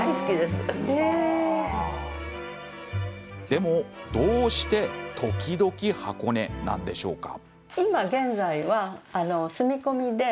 でも、どうして時々箱根なんでしょうか？